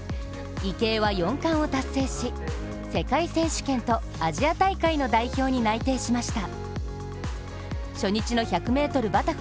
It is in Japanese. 池江は４冠を達成し、世界選手権とアジア大会の代表に内定しました。